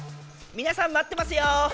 みなさんまってますよ。